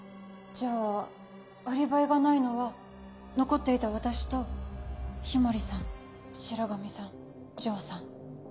じゃあアリバイがないのは残っていた私と氷森さん白神さん城さん。